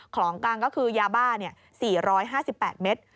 ของกลางก็คือยาบ้า๔๕๘เมตร